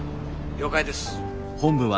「了解です」。